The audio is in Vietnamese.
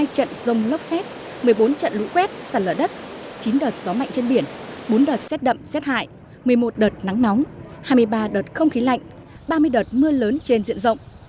hai trận sông lốc xét một mươi bốn trận lũ quét sạt lở đất chín đợt gió mạnh trên biển bốn đợt xét đậm xét hại một mươi một đợt nắng nóng hai mươi ba đợt không khí lạnh ba mươi đợt mưa lớn trên diện rộng